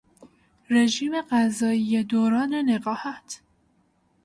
رژیم غذایی دوران نقاهت